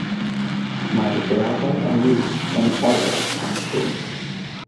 Mae'r gaeafau yn wlyb, yn oer a llwm.